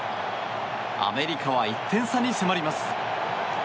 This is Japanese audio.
アメリカは１点差に迫ります。